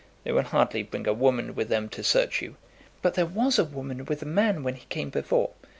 They will hardly bring a woman with them to search you." "But there was a woman with the man when he came before."